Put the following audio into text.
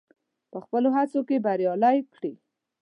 په خپلو هڅو کې بريالی کړي.